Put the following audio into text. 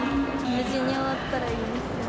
無事に終わったらいいですね。